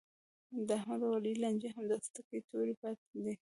د احمد او علي لانجې همداسې تکې تورې پاتې دي.